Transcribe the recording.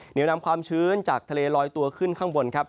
เดี๋ยวนำความชื้นจากทะเลลอยตัวขึ้นข้างบนครับ